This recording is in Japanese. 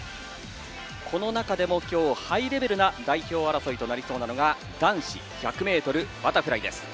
この中でも今日ハイレベルな代表争いになりそうなのが男子１００ｍバタフライです。